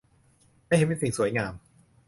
และเห็นเป็นสิ่งสวยงาม